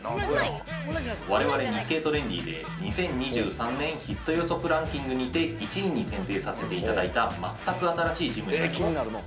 我々、日経トレンディで２０２３年ヒット予想ランキングにて１位に選定させていただいた全く新しいジムになります。